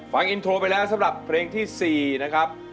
ฟังอินโทรไปแล้วสำหรับเพลงที่๔นะครับ